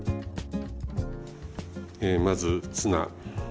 えまずツナ。